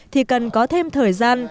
thì cần có thêm thời gian